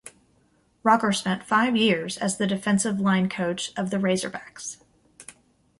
Rocker spent five years as the defensive line coach of the Razorbacks.